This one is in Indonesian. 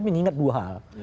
mengingat dua hal